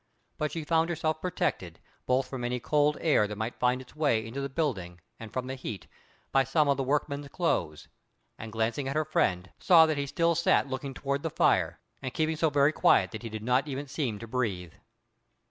But she found herself protected, both from any cold air that might find its way into the building and from the heat, by some of the workmen's clothes; and glancing at their friend, saw that he still sat looking towards the fire, and keeping so very quiet that he did not even seem to breathe.